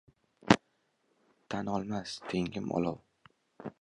Tan olmas tengim olov.